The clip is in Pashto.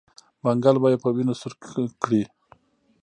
منګل به یې په وینو سور کړي.